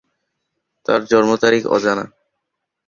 তার জন্ম তারিখ অজানা।